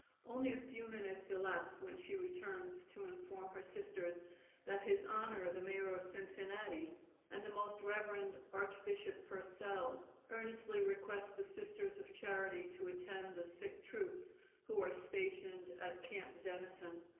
Only a few minutes elapse when she returns to inform her Sisters that his honor, the Mayor of Cincinnati, and the Most Rev. Archbishop Purcell earnestly request the Sisters of Charity to attend the sick troops who are stationed at Camp Dennison.